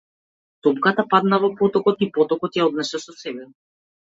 Топката падна во потокот и потокот ја однесе со себе.